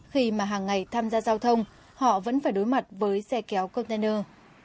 khi mà hàng ngày tham gia giao thông họ vẫn phải đối mặt với xe kéo container